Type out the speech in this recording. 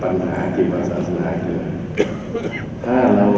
ถ้าคนในชาติหลับร้านชาติแล้วเรามันมีทางจะไปกับท่านแล้ว